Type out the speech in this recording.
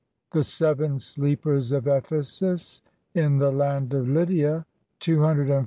THE SEVEN SLEEPERS OF EPHESUS, IN THE LAND OF LYDIA [249 251 A.